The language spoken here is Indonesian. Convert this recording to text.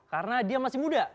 karena dia masih muda